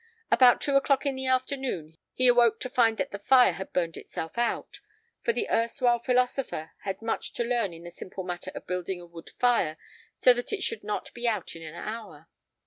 About two o'clock in the afternoon he awoke to find that the fire had burned itself out, for the erstwhile philosopher had much to learn in the simple matter of building a wood fire so that it should not be out in an hour.